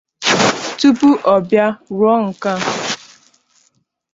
tupu ọ bịa rụọ nke a.